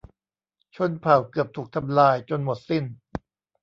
ชนเผ่าเกือบถูกทำลายจนหมดสิ้น